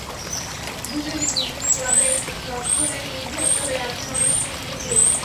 দুজনই নিজ নিজ ক্লাবের রক্ষণের মূল ভরসা হয়ে আছেন অনেক দিন থেকেই।